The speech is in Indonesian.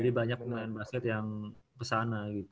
jadi banyak pemain basket yang kesana gitu